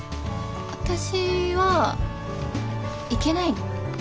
私は行けないの。